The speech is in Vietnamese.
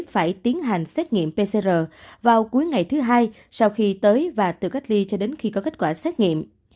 phải tiến hành xét nghiệm pcr vào cuối ngày thứ hai sau khi tới và tự cách ly cho đến khi có kết quả xét nghiệm